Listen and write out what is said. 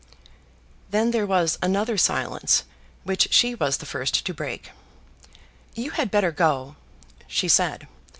Then there was another silence which she was the first to break. "You had better go," she said.